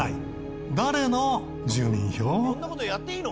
こんな事やっていいの？